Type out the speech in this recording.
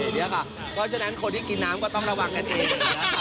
เพราะฉะนั้นคนที่กินน้ำก็ต้องระวังกันเอง